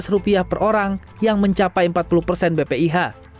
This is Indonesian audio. rp satu ratus empat belas per orang yang mencapai empat puluh bpih